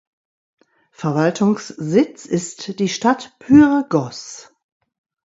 Verwaltungssitz ist die Stadt Pyrgos.